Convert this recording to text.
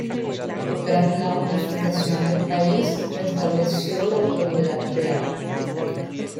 Tras la unificación del país restableció la autoridad real.